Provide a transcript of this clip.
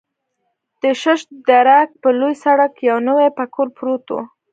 د شش درک پر لوی سړک یو نوی پکول پروت و.